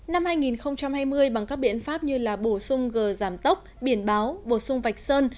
năm hai nghìn hai mươi bằng các biện pháp như là bổ sung gờ giảm tốc biển báo bổ sung vạch sơn